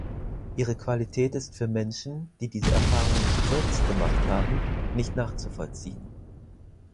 Ihre Qualität ist für Menschen, die diese Erfahrung nicht selbst gemacht haben, nicht nachzuvollziehen.